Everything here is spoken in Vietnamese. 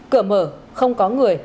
cửa mở không có người